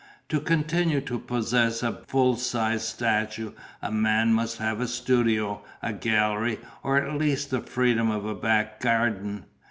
To continue to possess a full sized statue, a man must have a studio, a gallery, or at least the freedom of a back garden.